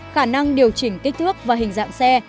khả năng điều chỉnh kích thước và hình dạng xe